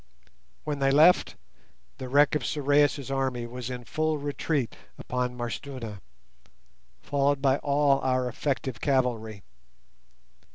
When they left, the wreck of Sorais' army was in full retreat upon M'Arstuna, followed by all our effective cavalry.